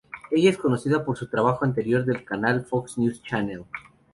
Ella es conocida por su trabajo anterior del canal Fox News Channel.